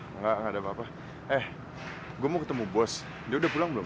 enggak enggak ada apa apa eh gue mau ketemu bos dia udah pulang belum